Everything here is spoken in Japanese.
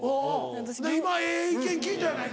今ええ意見聞いたやないか。